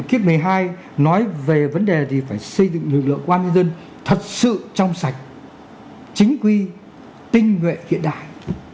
nghị quyết một mươi hai nói về vấn đề gì phải xây dựng lực lượng công an nhân dân thật sự trong sạch chính quy tinh nguyện hiện đại